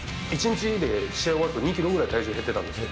１日で試合終わると２キロぐらい、体重減ってたんですよ。